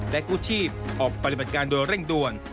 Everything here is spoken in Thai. และกู้ชีพออกปฏิบัติการโดยเร่งด่วน